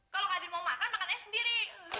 kalau adem mau makan makannya sendiri